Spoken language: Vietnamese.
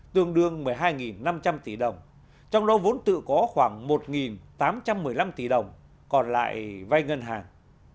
tương đương một mươi hai năm trăm linh tỷ đồng trong đó vốn tự có khoảng một tám trăm một mươi năm tỷ đồng còn lại vay ngân hàng